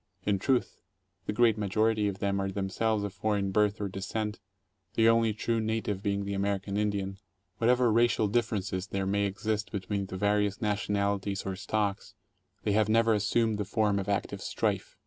In truth, the great majority of them are themselves of foreign birth or descent, the only true native being the American Indian. What ever racial differences there may exist between the various national ities or stocks, they have never assumed the form of active strife.